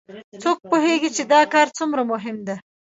څوک پوهیږي چې دا کار څومره مهم ده